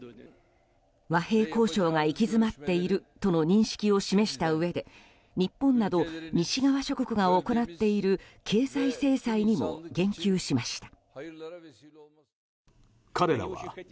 和平交渉が行き詰まっているとの認識を示したうえで日本など西側諸国が行っている経済制裁にも言及しました。